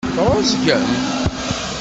Tɛeẓgem?